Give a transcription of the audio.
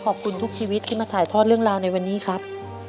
ขอบคุณทุกชีวิตที่มาถ่ายทอดเรื่องราวในวันนี้ครับ